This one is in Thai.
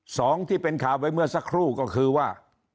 สองที่เป็นข่าวไปเมื่อสักครู่ก็คือว่า